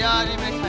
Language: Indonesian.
jalur untuk dukung